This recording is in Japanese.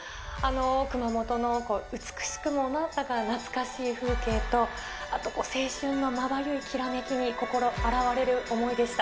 熊本の美しくもなんだか懐かしい風景と、あと青春のまばゆいきらめきに心洗われる思いでした。